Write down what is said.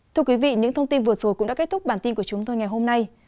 thưa quý vị những thông tin vừa rồi cũng đã kết thúc bản tin của chúng tôi ngày hôm nay